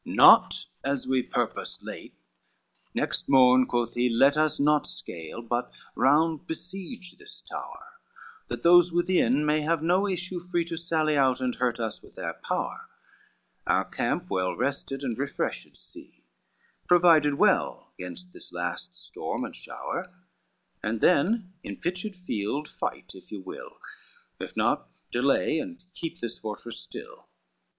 CXXVIII "Not as we purposed late, next morn," quoth he, "Let us not scale, but round besiege this tower, That those within may have no issue free To sally out, and hurt us with their power, Our camp well rested and refreshed see, Provided well gainst this last storm and shower, And then in pitched field, fight, if you will; If not, delay and keep this fortress still.